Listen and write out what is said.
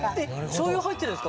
しょうゆ入ってるんすか？